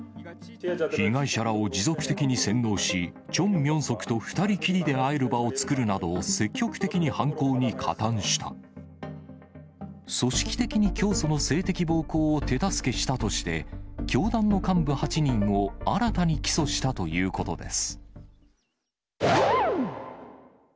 被害者らを持続的に洗脳し、チョン・ミョンソクと２人きりで会える場を作るなど、積極的に犯組織的に教祖の性的暴行を手助けしたとして、教団の幹部８人を新たに起訴したということです。